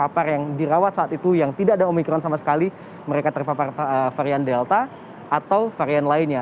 jadi terpapar yang dirawat saat itu yang tidak ada omikron sama sekali mereka terpapar varian delta atau varian lainnya